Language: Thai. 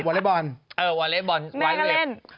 วอเลสบอลไม่เคยเล่น